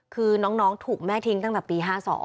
คือน้องถูกแม่ทิ้งตั้งแต่ปี๕๒